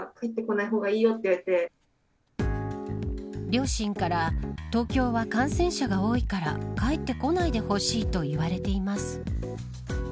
両親から東京は感染者が多いから帰ってこないでほしいと言われています。